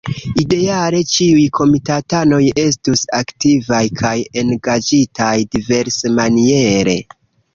Ideale, ĉiuj komitatanoj estus aktivaj kaj engaĝitaj diversmaniere.